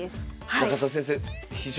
中田先生